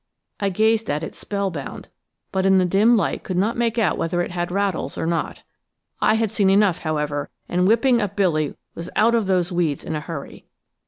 I gazed at it spellbound, but in the dim light could not make out whether it had rattles or not. I had seen enough, however, and whipping up Billy was out of those weeds in a hurry.